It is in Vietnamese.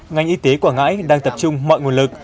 ngành y tế quảng ngãi đang tập trung mọi nguồn lực